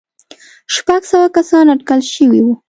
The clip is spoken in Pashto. شپږ سوه کسان اټکل شوي وو.